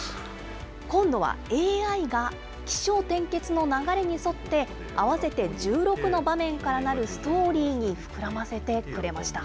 今度はＡＩが起承転結の流れに沿って、合わせて１６の場面からなるストーリーに膨らませてくれました。